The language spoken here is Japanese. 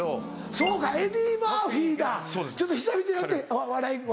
そうかエディ・マーフィだちょっと久々にやって笑い。